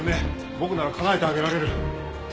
僕なら叶えてあげられる。